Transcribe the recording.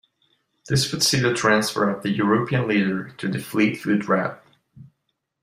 This would see the transfer of the "European Leader" to the Fleetwood route.